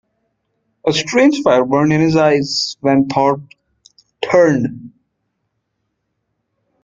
A strange fire burned in his eyes when Thorpe turned.